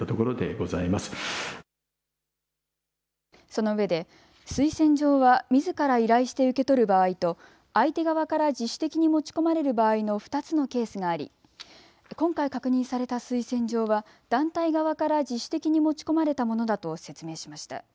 そのうえで推薦状はみずから依頼して受け取る場合と相手側から自主的に持ち込まれる場合の２つのケースがあり今回確認された推薦状は団体側から自主的に持ち込まれたものだと説明しました。